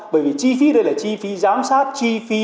bởi vì chi phí đây là chi phí giám sát cho doanh nghiệp